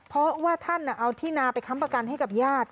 เพราะว่าท่านเอาที่นาไปค้ำประกันให้กับญาติ